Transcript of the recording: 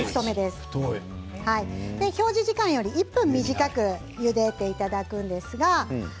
袋の表示時間より１分短くゆでていただきます。